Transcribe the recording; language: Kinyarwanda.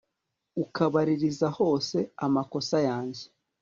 ukabaririza hose amakosa yanjye